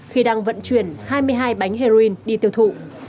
khi đang vận chuyển hai mươi hai bánh heroin đi tiêu thụ